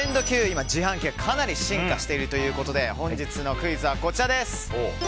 今、自販機がかなり進化しているということで本日のクイズはこちらです。